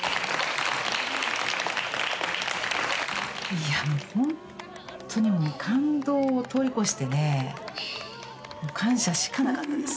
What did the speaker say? いやもうほんとにもう感動を通り越してね感謝しかなかったです。